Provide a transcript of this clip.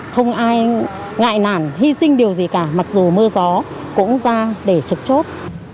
không ai ngại nản hy sinh điều gì cả mặc dù mưa gió cũng ra để trực chốt